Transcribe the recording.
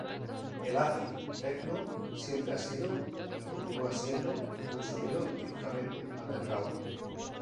El acid techno siempre ha sido, y continúa siendo, un sonido típicamente underground.